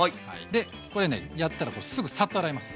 でこれねやったらすぐサッと洗います。